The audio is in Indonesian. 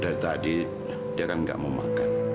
dari tadi dia kan nggak mau makan